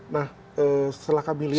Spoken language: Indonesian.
nah setelah kami lihat